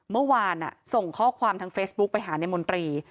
เมื่อวานส่งข้อความทางเฟซบุ๊คไปหาในมนตรี